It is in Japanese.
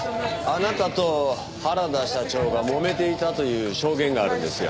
あなたと原田社長がもめていたという証言があるんですよ。